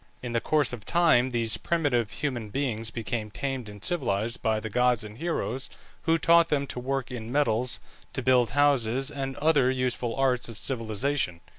In the course of time these primitive human beings became tamed and civilized by the gods and heroes, who taught them to work in metals, to build houses, and other useful arts of civilization.